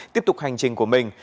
tiếp tục hành trình của mình